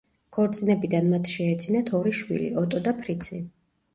ქორწინებიდან მათ შეეძინათ ორი შვილი ოტო და ფრიცი.